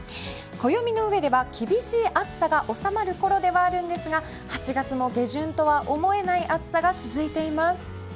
暦の上では厳しい暑さが収まるころではあるんですが８月も下旬とは思えない暑さが続いています。